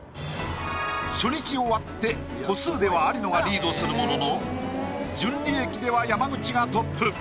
初日終わって個数では有野がリードするものの純利益では山口がトップ！